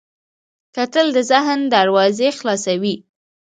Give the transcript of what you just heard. کتل د ذهن دروازې خلاصوي